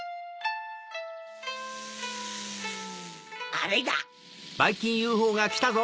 あれだ！